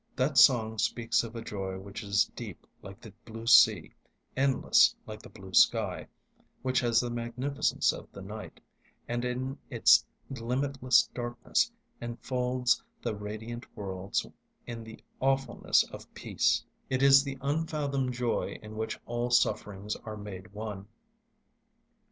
That song speaks of a joy which is deep like the blue sea, endless like the blue sky; which has the magnificence of the night, and in its limitless darkness enfolds the radiant worlds in the awfulness of peace; it is the unfathomed joy in which all sufferings are made one.